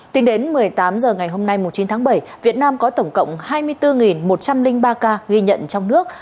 tính đến một mươi tám h ngày hôm nay chín tháng bảy việt nam có tổng cộng hai mươi bốn một trăm linh ba ca ghi nhận trong nước